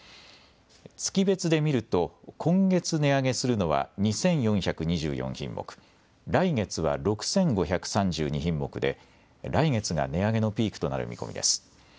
月別で見ると今月値上げするのは２４２４品目、来月は６５３２品目で来月が値上げのピークとなる見込みです。